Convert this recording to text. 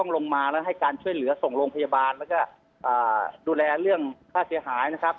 ลงมาแล้วให้การช่วยเหลือส่งโรงพยาบาลแล้วก็ดูแลเรื่องค่าเสียหายนะครับ